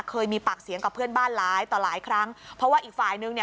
เคยมีปากเสียงกับเพื่อนบ้านหลายต่อหลายครั้งเพราะว่าอีกฝ่ายนึงเนี่ย